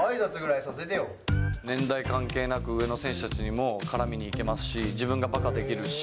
年代関係なく、上の選手たちにも絡みに行けますし、自分がばかできるし。